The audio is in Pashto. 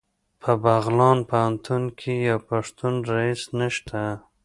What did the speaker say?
په بغلان پوهنتون کې یو پښتون رییس نشته